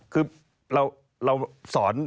คือเราสอน